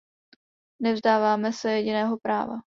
Nevzdáme se jediného práva.